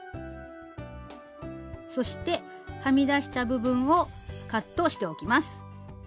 そしてはみ出した部分をカットしておきます。